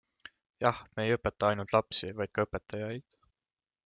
Jah, me ei õpeta ainult lapsi, vaid ka õpetajaid.